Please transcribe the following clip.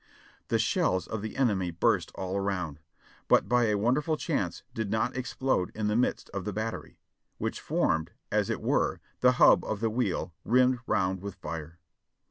The shells of the enemy burst all around, but by a wonderful chance did not explode in the midst of the battery, which formed, as it were, the hub of the Avheel, rimmed round with fire.